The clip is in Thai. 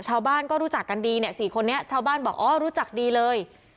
ชาวบ้านก็รู้จักกันดีเนี่ย๔คนนี้ชาวบ้านบอกอ๋อรู้จักดีเลย